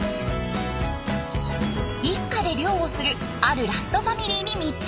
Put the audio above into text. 一家で漁をするあるラストファミリーに密着。